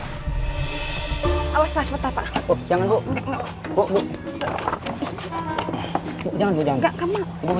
jangan bu jangan bu jangan bu jangan bu